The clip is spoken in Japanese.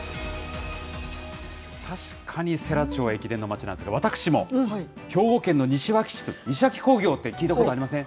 確かに世羅町は駅伝の町なんですけど、私も兵庫県の西脇市、西脇工業って聞いたことありません？